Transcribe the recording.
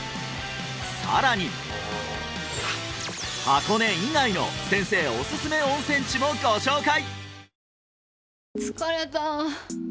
さらに箱根以外の先生おすすめ温泉地もご紹介！